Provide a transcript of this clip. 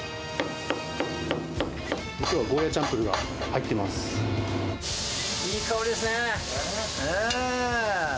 きょうはゴーヤチャンプルがいい香りですね。